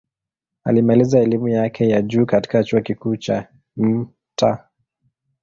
Alimaliza elimu yake ya juu katika Chuo Kikuu cha Mt.